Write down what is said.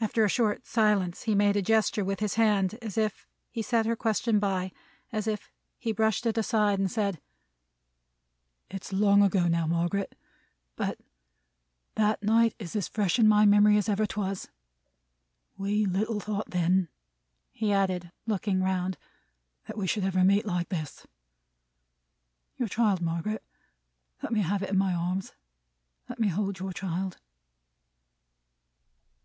After a short silence, he made a gesture with his hand, as if he set her question by; as if he brushed it aside; and said: "It's long ago, Margaret, now; but that night is as fresh in my memory as ever 'twas. We little thought then," he added, looking round, "that we should ever meet like this. Your child, Margaret? Let me have it in my arms. Let me hold your child."